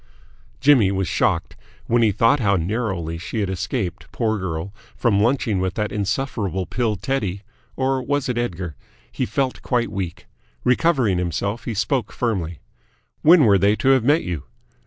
Jimmy was shocked. When he thought how narrowly she had escaped, poor girl, from lunching with that insufferable pill Teddy or was it Edgar? he felt quite weak. Recovering himself, he spoke firmly. "When were they to have met you?"